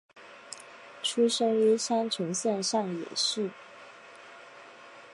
出生于三重县上野市。